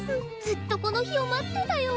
ずっとこの日を待ってたよ。